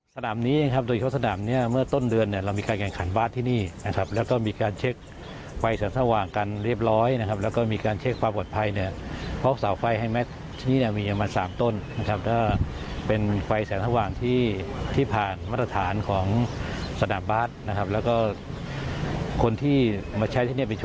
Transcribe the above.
สนามนี้นะครับโดยเฉพาะสนามเนี้ยเมื่อต้นเดือนเนี่ยเรามีการแข่งขันบาสที่นี่นะครับแล้วก็มีการเช็คไฟแสงสว่างกันเรียบร้อยนะครับแล้วก็มีการเช็คความปลอดภัยเนี่ยเพราะเสาไฟให้แม็กซ์ที่นี่มีกันมาสามต้นนะครับก็เป็นไฟแสงสว่างที่ที่ผ่านมาตรฐานของสนามบาสนะครับแล้วก็คนที่มาใช้ที่